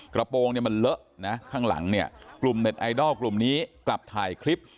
กระโปรงเนี่ยมันเลอะนะข้างหลังเนี่ยกลุ่มเน็ตไอดอลกลุ่มนี้กลับถ่ายคลิป